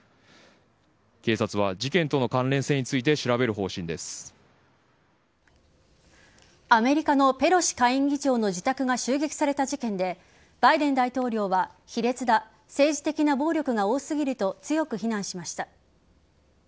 警察は事件との関連性についてアメリカのペロシ下院議長の自宅が襲撃された事件でバイデン大統領は卑劣だ政治的な暴力が多すぎると強く非難しました。